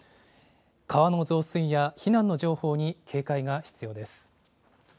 川の増水や避難の情報に警戒が必要です。